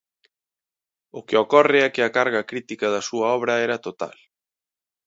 O que ocorre é que a carga crítica da súa obra era total.